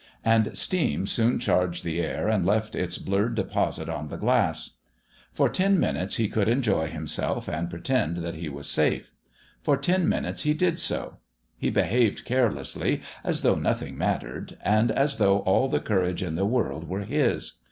And steam soon charged the air and left its blurred deposit on the glass. For ten minutes he could enjoy himself and pretend that he was safe. For ten minutes he did so. He behaved carelessly, as though nothing mattered, and as though all the courage in the world were his.